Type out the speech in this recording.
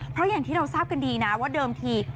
เพราะอย่างที่เราทราบกันดีนะว่าเดิมที